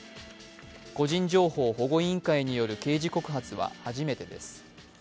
個人情報保護委員会による刑事告発は初めてです。